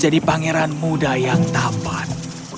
jadi pangeran muda yang tampan